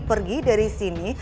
pergi dari sini